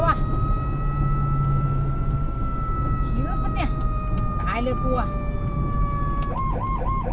ผู้ชีพเราบอกให้สุจรรย์ว่า๒